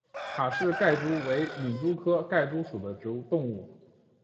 卡氏盖蛛为皿蛛科盖蛛属的动物。